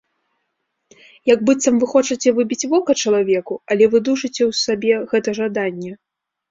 Як быццам вы хочаце выбіць вока чалавеку, але вы душыце ў сабе гэта жаданне.